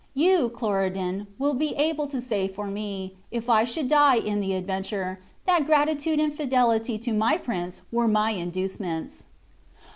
You, Cloridan, will be able to say for me, if I should die in the adventure, that gratitude and fidelity to my prince were my inducements."